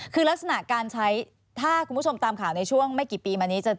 คือลักษณะการใช้ถ้าคุณผู้ชมตามข่าวในช่วงไม่กี่ปีมานี้